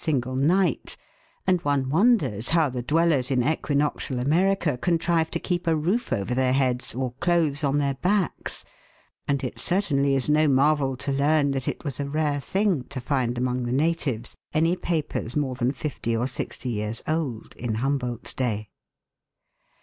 single night, and one wonders how the dwellers in equinoctial America contrive to keep a roof over their heads or clothes on their backs, and it certainly is no marvel to learn that it was a rare thing to find among the natives any papers more than fifty or sixty years old in Humboldt's day.